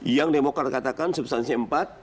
yang demokrat katakan substansi empat